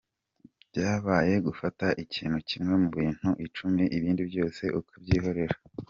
Byabaye gufata ikintu kimwe mu bintu icumi ibindi byose ukabyihorera.